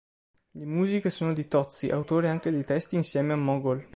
Le musiche sono di Tozzi, autore anche dei testi insieme a Mogol.